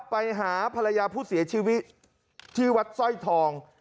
ไปหาภรรยาผู้เสียชีวิตที่วัดสร้อยทอง